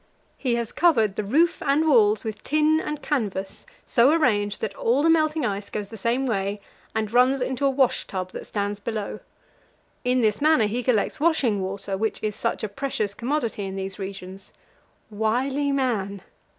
He has covered the roof and walls with tin and canvas, so arranged that all the melting ice goes the same way, and runs into a wash tub that stands below. In this manner he collects washing water, which is such a precious commodity in these regions wily man!